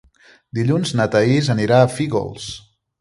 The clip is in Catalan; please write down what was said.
Dilluns na Thaís anirà a Fígols.